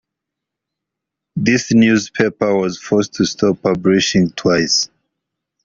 This newspaper was forced to stop publishing twice.